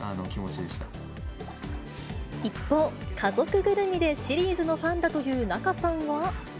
一方、家族ぐるみでシリーズのファンだという仲さんは。